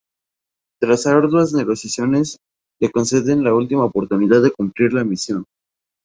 Tras arduas negociaciones, le conceden una última oportunidad de cumplir la misión.